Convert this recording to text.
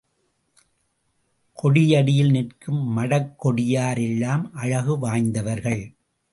கொடியடியில் நிற்கும் மடக் கொடியார் எல்லாம் அழகு வாய்ந்தவர்கள்.